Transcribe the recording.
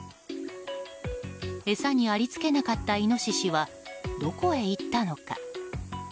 餌にありつけなかったイノシシはどこへ行ったのか。